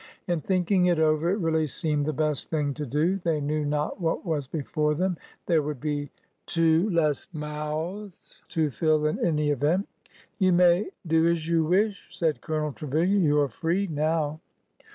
In thinking it over, it really seemed the best thing to do. They knew not what was before them. There would be two less mouths to fill, in any event. '' You may do as you wish," said Colonel Trevilian. '' You are free now."